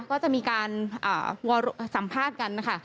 ก็จะมีการสัมภาษณ์กันนะคะ